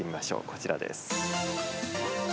こちらです。